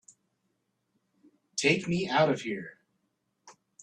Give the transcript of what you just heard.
Take me out of here!